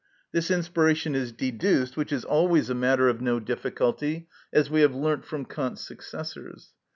This inspiration is deduced, which is always a matter of no difficulty, as we have learnt from Kant's successors.